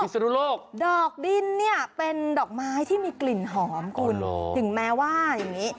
สนุโลกดอกดินเนี่ยเป็นดอกไม้ที่มีกลิ่นหอมคุณถึงแม้ว่าอย่างนี้